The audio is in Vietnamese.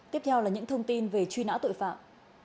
tiếp theo là những thông tin về truy nã tội phạm